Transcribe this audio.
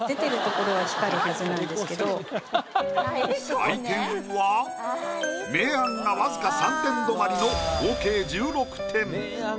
採点は明暗が僅か３点止まりの合計１６点。